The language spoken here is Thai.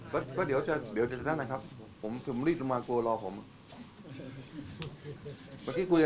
คุณว่าเหตุการณ์ในวันนี้มีการกรมเงินแล้วเนี่ยพรุ่งนี้เราจะขอแจ้งไว้ชับ